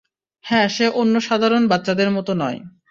হ্যাঁ, সে অন্য সাধারণ বাচ্ছাদের মতো নয়।